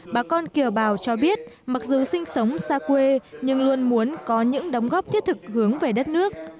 bà con kiều bào cho biết mặc dù sinh sống xa quê nhưng luôn muốn có những đóng góp thiết thực hướng về đất nước